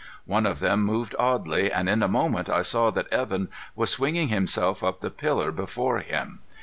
One of them moved oddly, and in a moment I saw that Evan was swinging himself up the pillar before him.